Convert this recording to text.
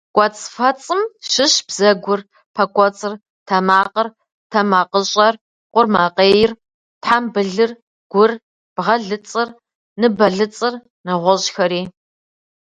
Кӏуэцӏфэцӏым щыщщ бзэгур, пэ кӏуэцӏыр, тэмакъыр, тэмакъыщӏэр, къурмакъейр, тхьэмбылыр, гур, бгъэлыцӏыр, ныбэлыцӏыр, нэгъуэщӏхэри.